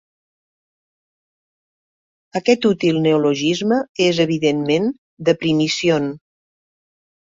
Aquest útil neologisme és, evidentment, "deprimisión".